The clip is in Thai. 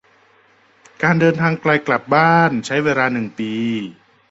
การเดินทางไกลกลับบ้านใช้เวลาหนึ่งปี